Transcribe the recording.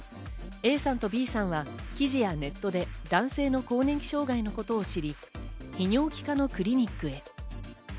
ＡさんとＢさんは記事やネットで男性の更年期障害のことを知り、泌尿器科のクリニックへ。